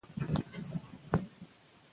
شاعر په رڼو سترګو ژوند ته د یو خوب په څېر کتل.